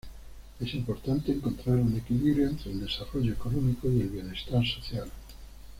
Es importante encontrar un equilibrio entre el desarrollo económico y el bienestar social.